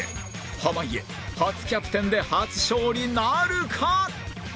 濱家初キャプテンで初勝利なるか！？